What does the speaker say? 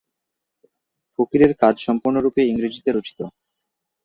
ফকিরের কাজ সম্পূর্ণরূপে ইংরেজিতে রচিত।